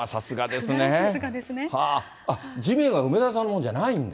あっ、地面は梅沢さんのものじゃないんだ。